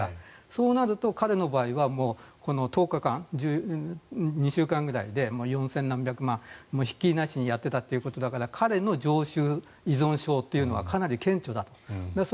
そうなると彼の場合は１０日間、２週間ぐらいで４０００何百万くらいひっきりなしにやっていたということだから彼の依存症というのはかなり顕著だと。